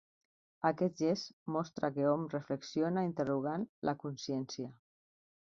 Aquest gest mostra que hom reflexiona interrogant la consciència.